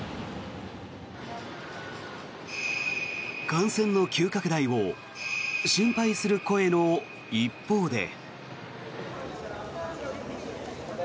感染の急拡大を心配する声の一方で。